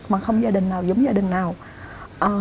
mà không gia đình nào giống gia đình nào